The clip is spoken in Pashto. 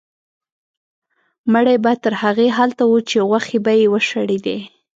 مړی به تر هغې هلته و چې غوښې به یې وشړېدې.